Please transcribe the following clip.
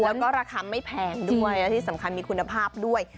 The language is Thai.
แล้วก็ราคาไม่แพงด้วยและที่สำคัญมีคุณภาพด้วย